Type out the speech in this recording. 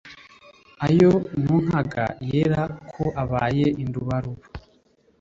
Ayo nonkaga yera Ko Abaye indubaruba